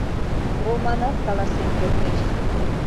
Романат каласен кертеш.